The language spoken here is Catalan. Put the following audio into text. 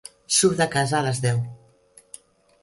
Surt de casa a les deu.